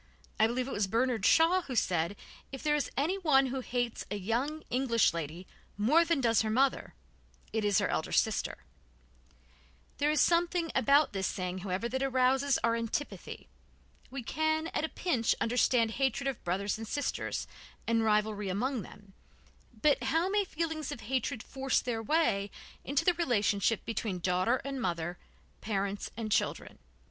I believe it was Bernard Shaw who said: "If there is anyone who hates a young English lady more than does her mother, it is her elder sister." There is something about this saying, however, that arouses our antipathy. We can, at a pinch, understand hatred of brothers and sisters, and rivalry among them, but how may feelings of hatred force their way into the relationship between daughter and mother, parents and children?